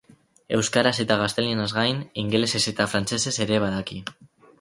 Euskaraz eta gaztelaniaz gain, ingelesez eta frantsesez ere badaki.